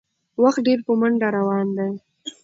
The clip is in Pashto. وخت ډېر په منډه روان دی